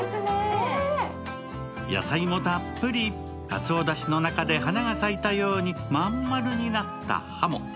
野菜もたっぷり、かつおだしの中で花が咲いたように真ん丸になったハモ。